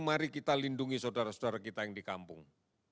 mari kita lindungi saudara saudara kita yang di kampung